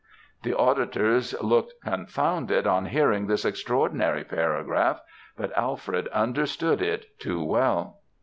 "The auditors looked confounded on hearing this extraordinary paragraph, but Alfred understood it too well.